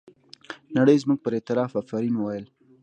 نړۍ زموږ پر اعتراف افرین وویل.